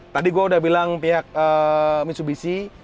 tadi gue udah bilang pihak mitsubishi